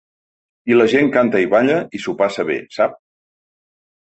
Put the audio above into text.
I la gent canta i balla i s’ho passa bé, sap?